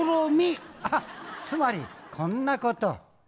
ああつまりこんなこと。